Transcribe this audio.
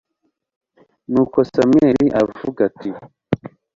nuko samweli aravuga ati